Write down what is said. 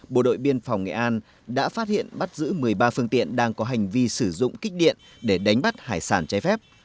bộ đội biên phòng nghệ an đã phát hiện bắt giữ một mươi ba phương tiện đang có hành vi sử dụng kích điện để đánh bắt hải sản trái phép